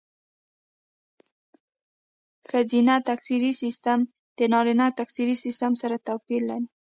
ښځینه تکثري سیستم د نارینه تکثري سیستم سره توپیر لري.